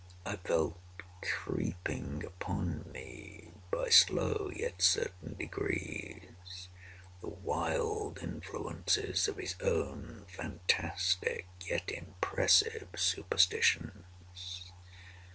I felt creeping upon me, by slow yet certain degrees, the wild influences of his own fantastic yet impressive superstitions.